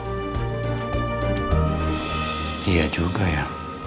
saya belum sempet berjumpa adiknya